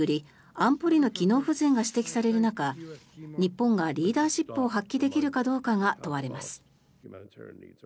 安保理の機能不全が指摘される中日本がリーダーシップを発揮できるかどうかが問われます。